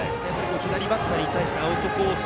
左バッターに対してアウトコース